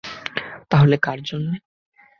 তাহলে কার জন্য?